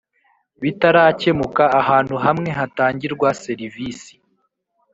Bitarakemuka ahantu hamwe hatangirwa serivisi